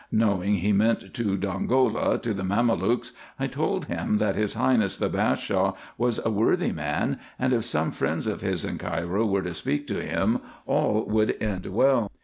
Knowing he meant to Don gola, to the Mamelukes, 1 told him, that his highness the Bashaw was a worthy man, and if some friends of his in Cairo were to speak to him, all would end well.